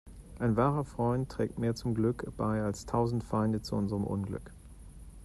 Ein wahrer Freund trägt mehr zum Glück bei als tausend Feinde zu unserem Unglück.